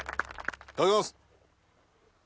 いただきます。